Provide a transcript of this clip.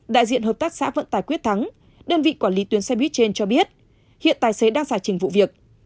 đại diện hợp tác xã vận tải quyết thắng đơn vị quản lý tuyến xe buýt trên cho biết hiện tài xế đang giải trình vụ việc